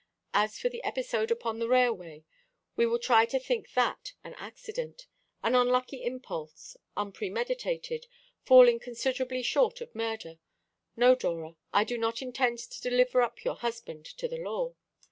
As for the episode upon the railway we will try to think that an accident, an unlucky impulse, unpremeditated, falling considerably short of murder. No, Dora, I do not intend to deliver up your husband to the law.